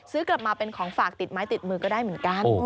ซื้อกลับมาเป็นของฝากติดไม้ติดมือก็ได้เหมือนกัน